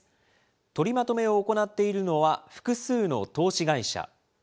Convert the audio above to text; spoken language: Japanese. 取りまとめを行っているのは、複数の投資会社。